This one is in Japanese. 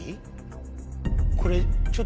これ。